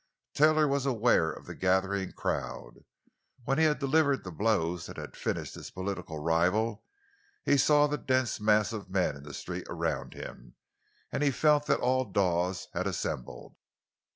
Taylor was aware of the gathering crowd. When he had delivered the blows that had finished his political rival, he saw the dense mass of men in the street around him; and he felt that all Dawes had assembled.